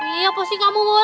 iya apa sih kamu wol